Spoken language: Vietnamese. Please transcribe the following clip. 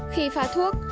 khi phá thuốc